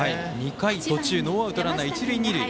２回途中、ノーアウトランナー、一塁二塁。